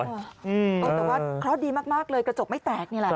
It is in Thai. แต่ว่าเคราะห์ดีมากเลยกระจกไม่แตกนี่แหละ